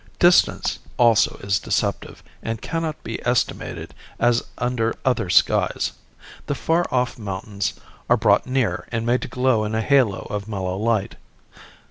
Distance also is deceptive and cannot be estimated as under other skies. The far off mountains are brought near and made to glow in a halo of mellow light.